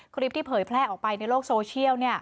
คลิปที่เผยแพร่ออกไปในโลกโซเชียล